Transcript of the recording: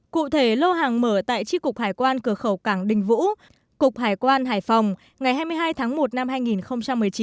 cụ thể lô hàng mở tại tri cục hải quan cửa khẩu cảng đình vũ cục hải quan hải phòng ngày hai mươi hai tháng một năm hai nghìn một mươi chín